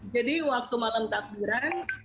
jadi waktu malam takbiran